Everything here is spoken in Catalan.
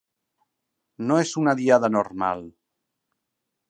No és una Diada normal